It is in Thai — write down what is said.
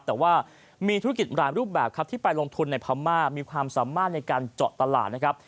แต่ว่ามีธุรกิจหลายรูปแบบครับที่ไปลงทุนในพม่ามีความสามารถในการเจาะตลาดนะครับ